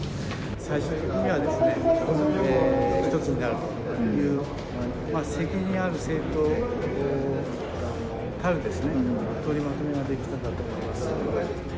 最終的には一つになるという、責任ある政党たる取りまとめができたのだと思います。